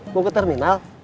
mau ke terminal